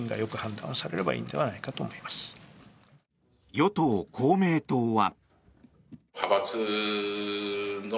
与党・公明党は。